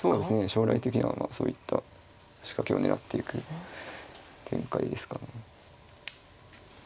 将来的にはそういった仕掛けを狙っていく展開ですかね。